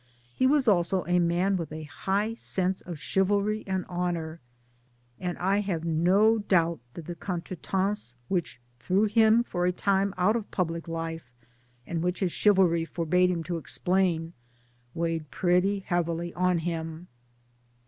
He was also a man with a high sense of chivalry and honour, and I have no doubt that the contretemps which threw him for a time out of public life and which his chivalry forbade him to explain weighed pretty heavily on him.